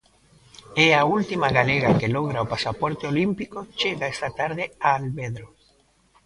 E a última galega que lograr o pasaporte olímpico chega esta tarde a Alvedro.